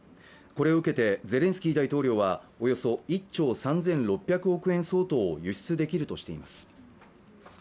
これを受けてゼレンスキー大統領はおよそ１兆３６００億円相当を輸出できるとしています。